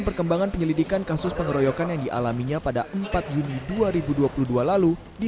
perkembangan penyelidikan kasus pengeroyokan yang dialaminya pada empat juni dua ribu dua puluh dua lalu di